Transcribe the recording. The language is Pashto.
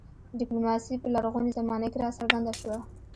ډیپلوماسي په لرغونې زمانه کې راڅرګنده شوه